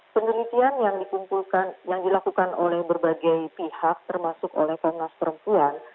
penelitian yang dilakukan oleh berbagai pihak termasuk oleh komnas perempuan